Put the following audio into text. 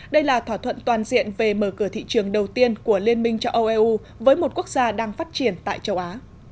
đây là thỏa thuận toàn diện về mở cửa thị trường đầu tiên của liên minh châu âu eu với một quốc gia đang phát triển tại châu á